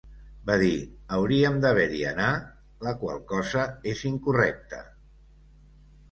Va dir "Hauríem d'haver-hi 'anar' la qual cosa és incorrecte".